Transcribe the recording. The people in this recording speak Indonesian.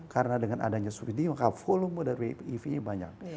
karena dengan adanya speedy maka volume dan ev nya banyak